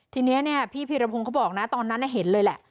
ทีนี้พี่พีรพงศ์เขาบอกนะตอนนั้นเห็นเลยแหละ